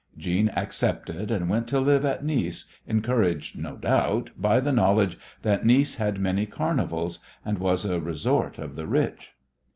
Jeanne accepted, and went to live at Nice, encouraged, no doubt, by the knowledge that Nice had many carnivals, and was a resort of the rich.